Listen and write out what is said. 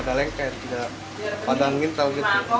di mangkok yang biar bening